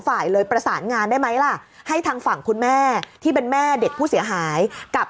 ฝ่ายเลยประสานงานได้ไหมล่ะให้ทางฝั่งคุณแม่ที่เป็นแม่เด็กผู้เสียหายกับ